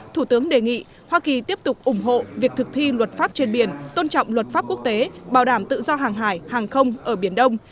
thủ tướng đề nghị hoa kỳ tiếp tục ủng hộ việc thực thi luật pháp trên biển tôn trọng luật pháp quốc tế bảo đảm tự do hàng hải hàng không ở biển đông